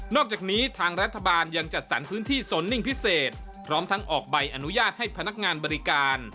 อกจากนี้ทางรัฐบาลยังจัดสรรพื้นที่สนนิ่งพิเศษพร้อมทั้งออกใบอนุญาตให้พนักงานบริการ